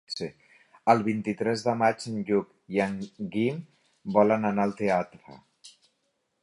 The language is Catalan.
El vint-i-tres de maig en Lluc i en Guim volen anar al teatre.